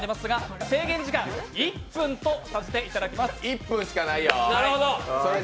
１分しかないよ。